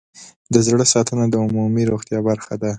د زړه ساتنه د عمومي روغتیا برخه ده.